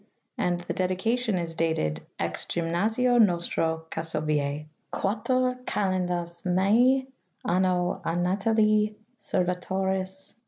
P." and the dedication is dated "ex Gymnasio nostro Cassovise^ IIII Calendas Maij. Anno a Natali Servatoris.